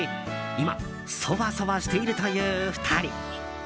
今、ソワソワしているという２人。